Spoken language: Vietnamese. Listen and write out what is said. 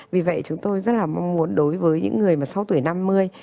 vì vậy chúng tôi rất là mong muốn đối với những người mà sau tuổi năm mươi